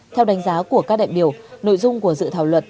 theo đánh giá của các đại biểu nội dung của dự thảo luật